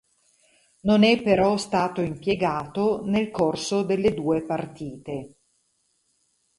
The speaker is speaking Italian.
Non è però stato impiegato nel corso delle due partite.